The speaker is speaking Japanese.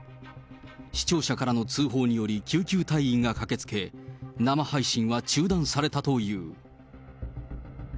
視聴者からの通報により、救急隊員が駆け付け、生配信は中断されたという。